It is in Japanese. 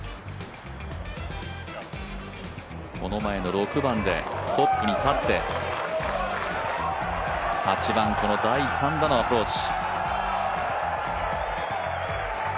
この前の６番でトップに立って、８番、この第３打のアプローチ。